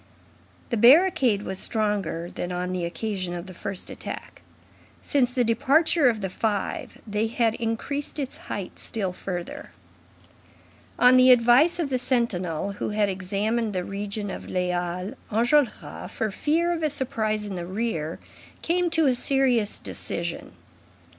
The barricade was stronger than on the occasion of the first attack. Since the departure of the five, they had increased its height still further. On the advice of the sentinel who had examined the region of the Halles, Enjolras, for fear of a surprise in the rear, came to a serious decision.